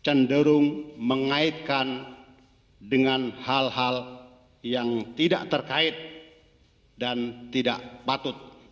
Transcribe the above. cenderung mengaitkan dengan hal hal yang tidak terkait dan tidak patut